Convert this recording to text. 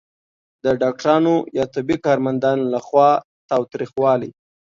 د ډاکټرانو یا طبي کارمندانو لخوا تاوتریخوالی